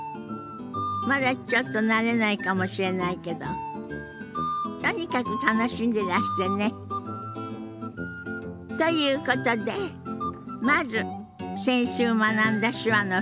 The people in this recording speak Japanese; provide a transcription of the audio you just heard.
まだちょっと慣れないかもしれないけどとにかく楽しんでらしてね。ということでまず先週学んだ手話の復習から始めましょう。